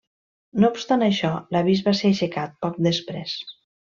No obstant això, l'avís va ser aixecat poc després.